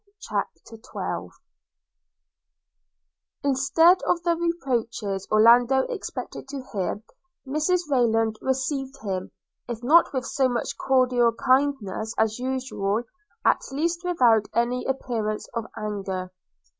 CHAPTER XII INSTEAD of the reproaches Orlando expected to hear, Mrs Rayland received him, if not with so much cordial kindness as usual, at least without any appearance of anger.